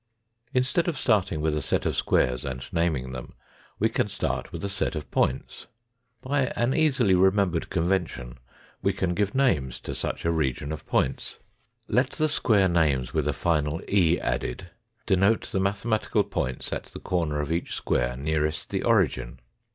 Instead of starting with a set of squares and naming them, we can start with a set of points. By an easily remembered convention we can give names to such a region of points. 269 Let the space names with a final " e " added denote the mathematical points at the corner of each square nearest the origin.